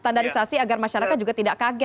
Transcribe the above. standarisasi agar masyarakat juga tidak kaget